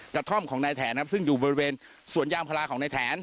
กระท่อมของนายแถนนะครับซึ่งอยู่บริเวณสวนยางพลาของนายแถน